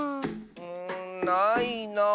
んないなあ。